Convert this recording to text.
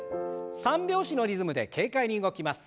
三拍子のリズムで軽快に動きます。